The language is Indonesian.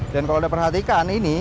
dan kalau kita perhatikan ini